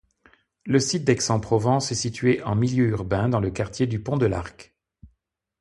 Le site d'Aix-en-Provence est situé en milieu urbain, dans le quartier du Pont-de-l'Arc.